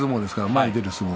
前に出る相撲